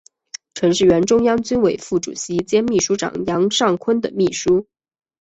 曾是原中央军委副主席兼秘书长杨尚昆的秘书。